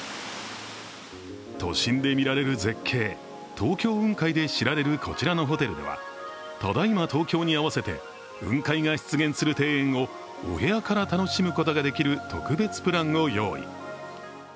都心で見られる絶景、東京雲海で知られるこちらのホテルではただいま東京に合わせて、雲海が出現する庭園をお部屋から楽しむことができる特別プランを用意。